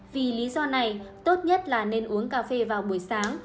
vì lý do này tốt nhất là nên uống cà phê vào buổi sáng